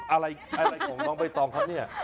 อะไรของน้องใบตองครับเนี่ย